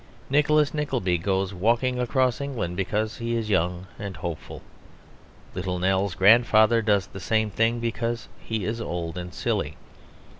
Nicholas Nickleby goes walking across England because he is young and hopeful; Little Nell's grandfather does the same thing because he is old and silly.